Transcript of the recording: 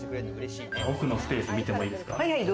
奥のスペース見てもいいですか？